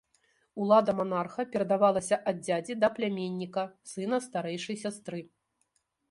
Улада манарха перадавалася ад дзядзі да пляменніка, сына старэйшай сястры.